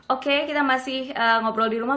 oke kita masih ngobrol di rumah